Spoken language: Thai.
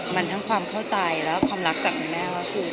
มันทั้งความเข้าใจและความรักจากคุณแม่ก็คือ